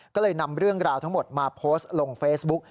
ก็เลยนำเรื่องราวทั้งหมดมาโพสต์ลงเฟซบุ๊ก